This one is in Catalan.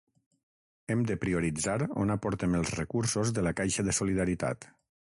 Hem de prioritzar on aportem els recursos de la caixa de solidaritat.